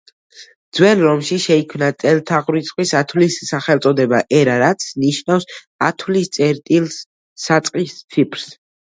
ძველ რომში შეიქმნა წელთაღრიცხვის ათვლის სახელწოდება ერა, რაც ნიშნავს „ათვლის წერტილს“, „საწყის ციფრს“.